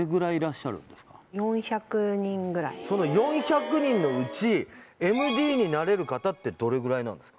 その４００人のうちＭＤになれる方ってどれぐらいなんですか？